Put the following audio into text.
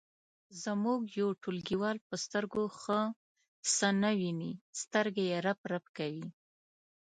زموږ یو ټولګیوال په سترګو ښه څه نه ویني سترګې یې رپ رپ کوي.